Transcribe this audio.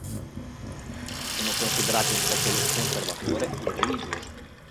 Sono considerati un popolo conservatore e religioso.